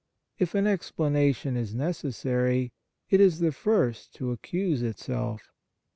If an explanation is necessary, it is the first to accuse itself.